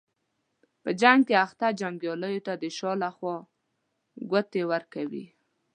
په جنګ کې اخته جنګیالیو ته د شا له خوا ګوتې ورکوي.